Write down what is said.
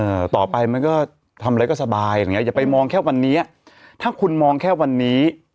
ต่อไปมันก็ทำอะไรก็สบายอะไรอย่างเงี้อย่าไปมองแค่วันนี้ถ้าคุณมองแค่วันนี้